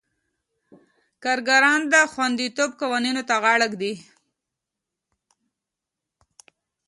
کارګران د خوندیتوب قوانینو ته غاړه ږدي.